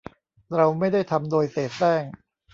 เราไม่ได้ทำโดยเสแสร้ง